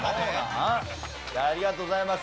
ありがとうございます。